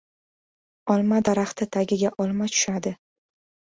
• Olma daraxti tagiga olma tushadi.